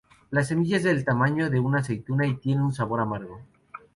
La semilla es del tamaño de una aceituna y tiene un sabor amargo.